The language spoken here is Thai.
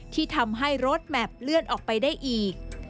ที่ทำให้รถแมพเลื่อนออกไปได้อีก